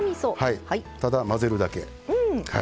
ただ、混ぜるだけ。